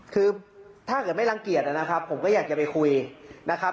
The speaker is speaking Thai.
คือถ้าเกิดไม่รังเกียจนะครับผมก็อยากจะไปคุยนะครับ